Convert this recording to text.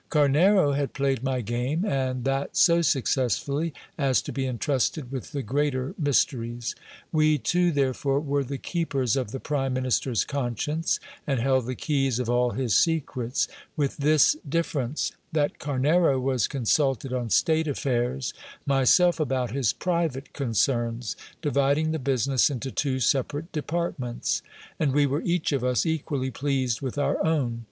Camera had played my game ; and that so successfully, as to be intrusted with the greater mysteries. We two therefore were the keepers of the prime minister's conscience, and held the keys of all his secrets: with this difference, GIL BIAS ADVANCES IN HIS MASTER'S FA VOUR. 409 that Camero was consulted on state affairs, myself about his private concerns, dividing the business into two separate departments; and we were each of us equally pleased with our own.